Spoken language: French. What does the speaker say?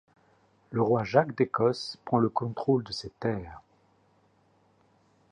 Le roi Jacques d'Écosse prend le contrôle de ses terres.